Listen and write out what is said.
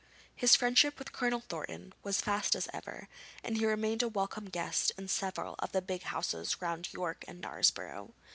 His friendship with Colonel Thornton was as fast as ever, and he remained a welcome guest in several of the big houses round York and Knaresborough.